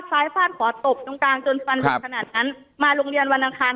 ซ้ายฟ่านฝ่อนกลางจนส่วนหนังมาโรงเรียนวันอันถ่าน